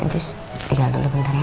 just tinggal dulu bentar ya mam